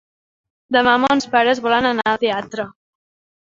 Demà mons pares volen anar al teatre.